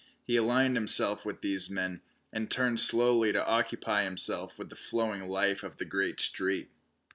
He aligned himself with these men, and turned slowly to occupy himself with the flowing life of the great street.